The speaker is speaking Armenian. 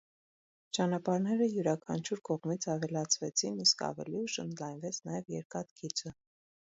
Ճանապարհները յուրաքանչյուր կողմից ավելացվեցին, իսկ ավելի ուշ ընդլայնվեց նաև երկաթգիծը։